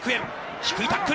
低いタックル。